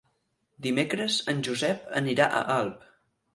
Dimecres en Josep anirà a Alp.